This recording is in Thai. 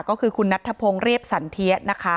ก็คือคุณนัทธพงศ์เรียบสันเทียนะคะ